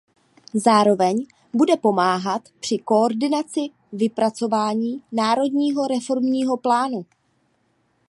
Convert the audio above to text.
Zároveň bude pomáhat při koordinaci vypracování národního reformního plánu.